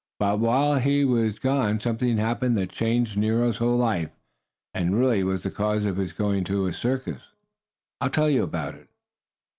But while he was gone something happened that changed Nero's whole life, and really was the cause of his going to a circus. I'll tell you about it.